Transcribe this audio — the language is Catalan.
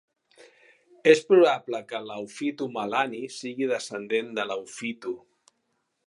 És probable que Laufitu Malani sigui descendent de Laufitu.